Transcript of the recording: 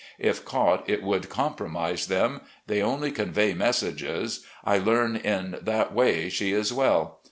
If caught, it would com promise them. They only convey messages. I learn in that way she is well.